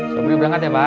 sobri berangkat ya pak